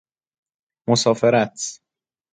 مسافرت